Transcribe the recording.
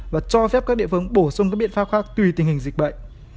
và cho phép các địa phương bổ sung các biện pháp khác tùy tình hình dịch bệnh